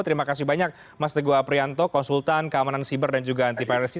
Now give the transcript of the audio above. terima kasih banyak mas teguh aprianto konsultan keamanan siber dan juga anti prc